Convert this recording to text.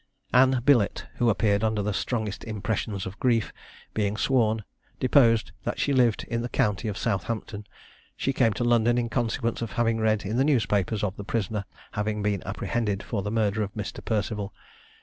Anne Billet, who appeared under the strongest impressions of grief, being sworn, deposed, that she lived in the county of Southampton; she came to London in consequence of having read in the newspapers of the prisoner having been apprehended for the murder of Mr. Perceval.